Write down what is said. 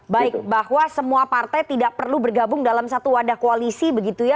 baik bahwa semua partai tidak perlu bergabung dalam satu wadah koalisi begitu ya